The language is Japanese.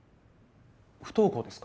不登校ですか？